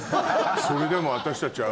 それでも私たちは。